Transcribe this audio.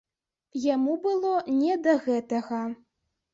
Яму было не да гэтага.